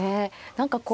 何かこう。